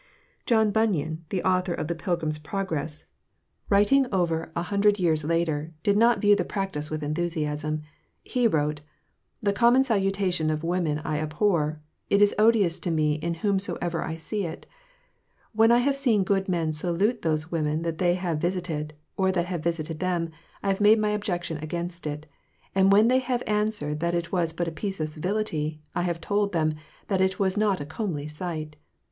John Bunyan, the author of the "Pilgrim's Progress," writing over a hundred years later, did not view the practice with enthusiasm. He wrote: "The common salutation of women I abhor; it is odious to me in whomsoever I see it. When I have seen good men salute those women that they have visited, or that have visited them, I have made my objections against it; and when they have answered that it was but a piece of civility, I have told them that it was not a comely sight.